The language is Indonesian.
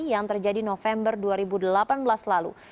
yang terjadi november dua ribu delapan belas lalu